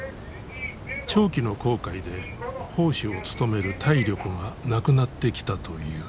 長期の航海で砲手を務める体力がなくなってきたという。